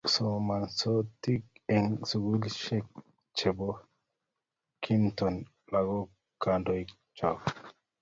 Somansoti eng' sukulisiek che kinton lagoikab kandoik cho